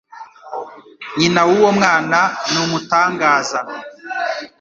Nyina w'uwo mwana ni umutangaza.